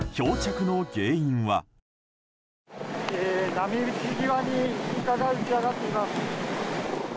波打ち際にイルカが打ち揚がっています。